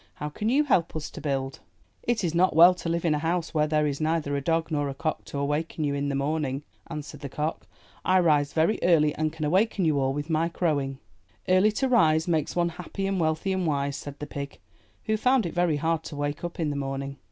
"How can you help us to build?" "It is not well to live in a house where there is neither a dog nor a cock to awaken you in the morning," answered the cock. "I rise very early and can awaken you all with my crowing." "Early to rise makes one happy and wealthy and wise," said the pig, who found it very hard to wake up in the morning.